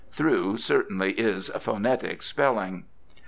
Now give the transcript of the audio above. "Thro" certainly is phonetic spelling.